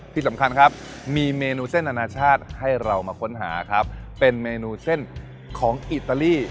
ที่สำคัญครับมีเมนูเส้นอนาชาติให้เรามาค้นหาครับเป็นเมนูเส้นของอิตาลี